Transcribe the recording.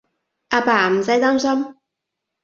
阿爸，唔使擔心